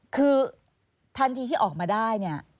คือทันทีที่ออกมาได้